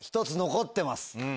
残ってます。